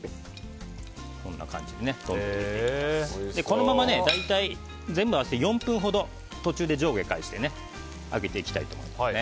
このまま全部合わせて４分ほど途中で上下を返して揚げていきたいと思います。